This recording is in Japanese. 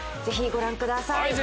ぜひご覧ください。